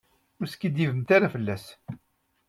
Ur skiddibemt ara fell-as.